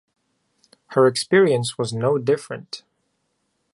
Her experience was no different.